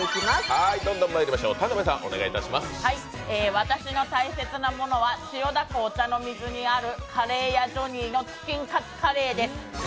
私の大切なものは千代田区お茶の水にあるカレー屋ジョニーのチキンカツカレーです。